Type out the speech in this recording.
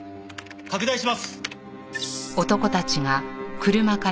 拡大します！